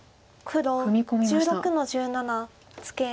黒１６の十七ツケ。